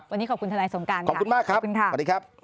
วันนี้ขอบคุณทนายสงการค่ะขอบคุณมากครับสวัสดีครับ